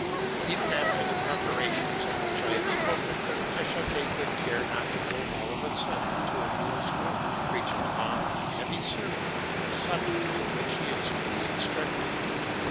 Even after the preparations of which I have spoken, I shall take good care not to go all of a sudden to Emile's room and preach a long and heavy sermon on the subject in which he is to be instructed.